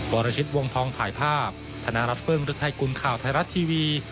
บริษัทวงธองถ่ายภาพธนารัฐเฟิร์นหรือไทยคุณข่าวไทยรัฐทีวี